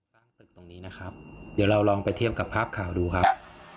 เดี๋ยวเราลองไปเทียบกับภาพข่าวดูครับ